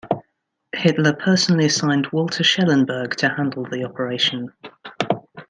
Hitler personally assigned Walter Schellenberg to handle the operation.